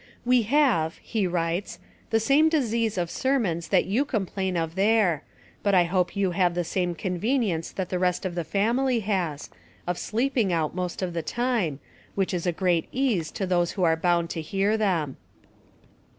"We have," he writes, "the same disease of sermons that you complain of there, but I hope you have the same convenience that the rest of the family has, of sleeping out most of the time, which is a great ease to those who are bound to hear them."